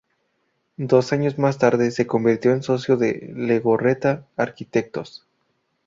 Dos años más tarde se convirtió en socio de Legorreta Arquitectos.